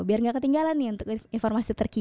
biar gak ketinggalan nih untuk informasi